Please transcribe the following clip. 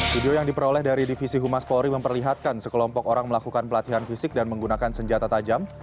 video yang diperoleh dari divisi humas polri memperlihatkan sekelompok orang melakukan pelatihan fisik dan menggunakan senjata tajam